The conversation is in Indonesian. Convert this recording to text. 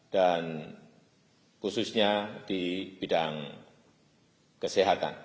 dan khususnya di bidang kesehatan